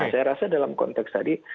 saya rasa dalam konteks tadi